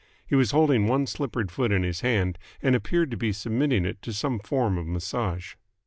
He was holding one slippered foot in his hand and appeared to be submitting it to some form of massage.